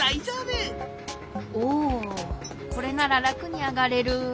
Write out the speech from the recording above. おおこれなららくにあがれる。